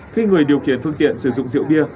khi người điều khiển phương tiện sử dụng rượu bia